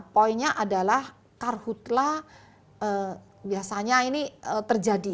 poinnya adalah karhutlah biasanya ini terjadi